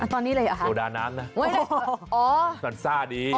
ตอนนี้เลยเหรอคะโซดาน้ำนะซันซ่าดี